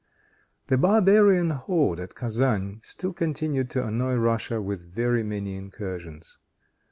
The barbarian horde at Kezan still continued to annoy Russia with very many incursions.